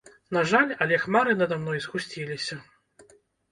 На жаль, але хмары над мной згусціліся.